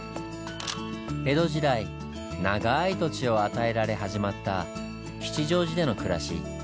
江戸時代ながい土地を与えられ始まった吉祥寺での暮らし。